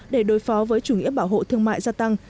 để đối phó với chủ nghĩa bảo hộ thương mại gia tăng